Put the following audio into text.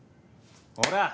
ほら！